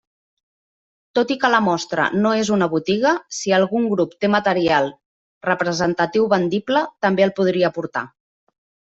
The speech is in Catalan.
Tot i que la mostra no és una botiga, si algun grup té material representatiu vendible, també el podria portar.